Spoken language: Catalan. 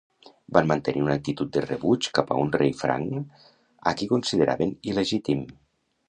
Van mantenir una actitud de rebuig cap a un rei franc a qui consideraven il·legítim.